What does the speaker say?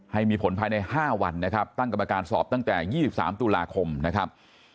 ให้มีผลภายใน๕วันนะครับตั้งกรรมการสอบตั้งแต่๒๓ตุลาคมนะครับ